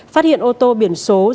phát hiện ô tô biển số do lê